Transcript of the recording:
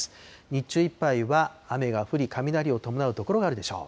日中いっぱいは雨が降り、雷を伴う所があるでしょう。